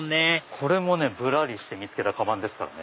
これもぶらりして見つけたカバンですからね。